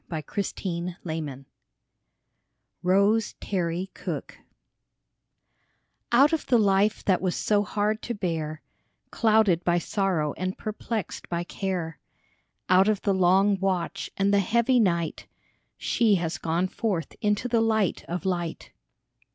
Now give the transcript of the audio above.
36 ROSE TERRY COOKE ROSE TERRY COOKE OUT of the life that was so hard to bear, Clouded by sorrow and perplexed by care, Out of the long watch and the heavy night, She has gone forth into the light of light.